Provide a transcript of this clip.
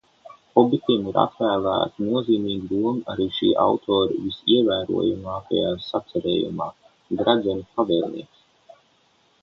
"Hobitiem ir atvēlēta nozīmīga loma arī šī autora visievērojamākajā sacerējumā "Gredzenu pavēlnieks"."